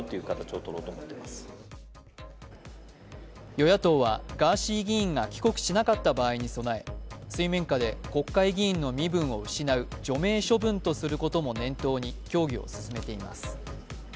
与野党はガーシー議員が帰国しなかった場合に備え水面下で国会議員の身分を失う除名処分とすることも念頭に協議を進めています。